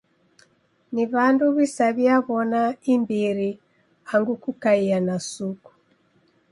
Ni w'andu w'isaw'iaw'ona imbiri angu kukaia na suku.